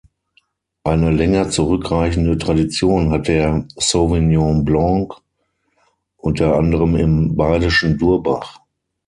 Eine länger zurückreichende Tradition hat der Sauvignon Blanc unter anderem im badischen Durbach.